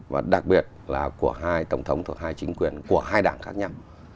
và đặc biệt là của hai tổng thống thuộc hai chính quyền của hai đảng khác nhau